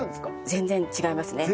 全然違いますね。